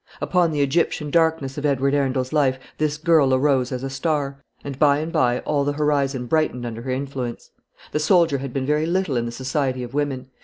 Upon the Egyptian darkness of Edward Arundel's life this girl arose as a star, and by and by all the horizon brightened under her influence. The soldier had been very little in the society of women.